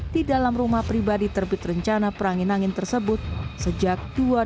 di dalam rumah pribadi terbit rencana perangin angin tersebut sejak dua ribu dua